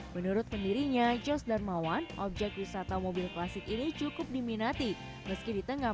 menurut pendirinya jos darmawan objek wisata mobil klasik ini cukup diminati meski di tengah